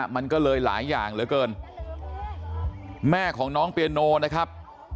มันก็เลยหลายอย่างเหลือเกินแม่ของน้องเปียโนนะครับ